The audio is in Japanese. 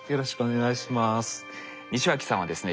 西脇さんはですね